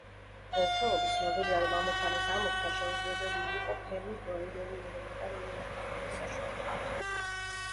დღესდღეობით ცნობილია, რომ ამოცანის ამოხსნა შეუძლებელი იყო ფერმის დროინდელი ელემენტარული მათემატიკის საშუალებით.